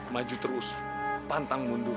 maju terus pantang mundur